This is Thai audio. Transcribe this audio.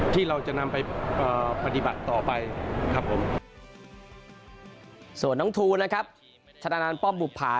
ที่เราจะนำไปปฏิบัติต่อไปครับผมส่วนน้องทูนะครับชนะป้อมบุภา